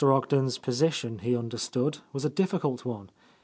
Ogden's position, he understood, was a' difficult one.